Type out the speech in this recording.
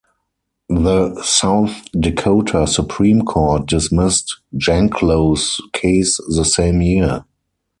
The South Dakota Supreme Court dismissed Janklow's case the same year.